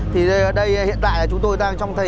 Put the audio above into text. thì ở đây hiện tại chúng tôi đang trong thấy